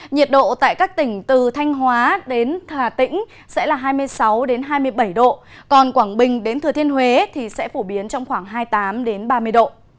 nhiệt độ tại các tỉnh từ thanh hóa đến hà tĩnh sẽ là hai mươi sáu hai mươi bảy độ còn quảng bình đến thừa thiên huế thì sẽ phổ biến trong khoảng hai mươi tám ba mươi độ